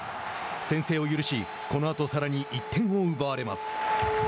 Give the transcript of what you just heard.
先制を許しこのあとさらに１点を奪われます。